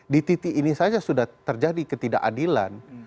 di titik ini saja sudah terjadi ketidakadilan